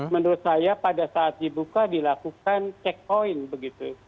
menurut saya pada saat dibuka dilakukan checkpoint begitu